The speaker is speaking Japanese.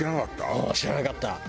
うん知らなかった。